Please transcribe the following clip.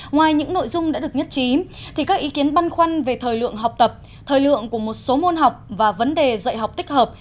ngoài những nội dung đã được nhất trí thì các ý kiến băn khoăn về thời lượng học tập thời lượng của một số môn học và vấn đề dạy học tích hợp